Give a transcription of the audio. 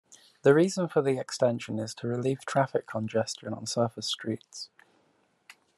The reason for the extension is to relieve traffic congestion on surface streets.